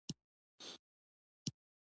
د سهار په خړه کې به یې د کلي څاروي مخکې کړل.